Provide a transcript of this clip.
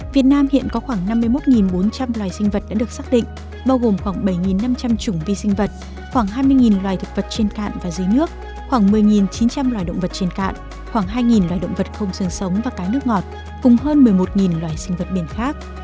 việt nam hiện có khoảng năm mươi một bốn trăm linh loài sinh vật đã được xác định bao gồm khoảng bảy năm trăm linh chủng vi sinh vật khoảng hai mươi loài thực vật trên cạn và dưới nước khoảng một mươi chín trăm linh loài động vật trên cạn khoảng hai loài động vật không sương sống và cái nước ngọt cùng hơn một mươi một loài sinh vật biển khác